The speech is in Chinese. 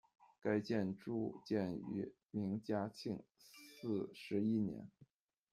该建筑建于明嘉靖四十一年。